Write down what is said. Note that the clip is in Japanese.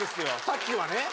さっきはね